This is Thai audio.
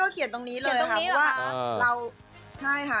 ก็เขียนตรงนี้เลย